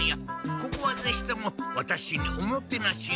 ここはぜひともワタシにおもてなしを。